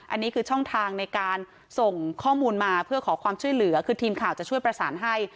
อันนี้คือช่องทางในการส่งข้อมูลมาเพื่อขอความช่วยเหลือคือทีมข่าวจะช่วยประสานให้